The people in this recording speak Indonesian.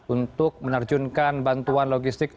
untuk menarjunkan bantuan logistik